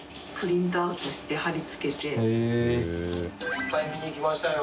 いっぱい見に行きましたよ